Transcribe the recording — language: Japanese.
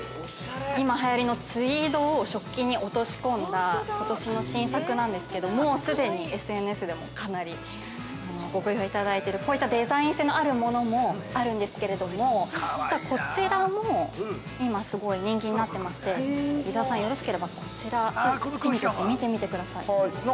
◆今はやりのツイードを食器に落とし込んだことしの新作なんですけどももう既にＳＮＳでもかなりご好評いただいてるこういったデザイン性のあるものもあるんですけれどもこちらも今すごい人気になってまして、伊沢さん、よろしければ、こちら手に取って、見てください。